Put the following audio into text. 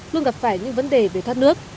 luôn gặp phải những vấn đề về thoát nước